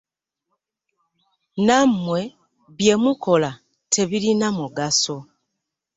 Nammwe bye mukola tebirina mugaso.